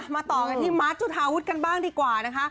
ต่อกันที่มาร์ทจุธาวุฒิกันบ้างดีกว่านะคะ